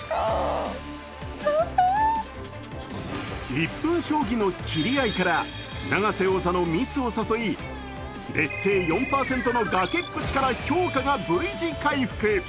１分将棋の斬り合いから永瀬王座のミスを誘い、劣勢４％の崖っぷちから評価がＶ字回復。